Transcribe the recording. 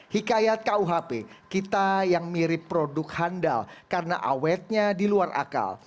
hikayat kuhp kita yang mirip produk handal karena awetnya di luar akal